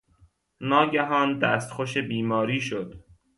ناگهان دستخوش بیماری شد.